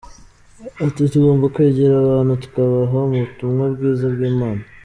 Ati “Tugomba kwegera abantu tukabaha ubutumwa bwiza bw’Imana.